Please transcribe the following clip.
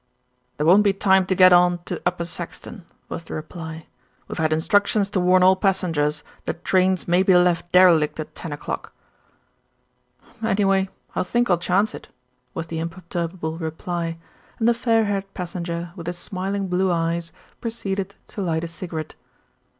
"There won't be time to get on to Upper Saxton," was the reply. "We've had instructions to warn all passengers that trains may be left derelict at ten o'clock." "Anyway, I think I'll chance it," was the imperturb able reply, and the fair haired passenger with the smil ing blue eyes proceeded to light a cigarette.